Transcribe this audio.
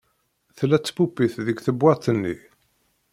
Tella tpupit deg tbewwaṭ-nni.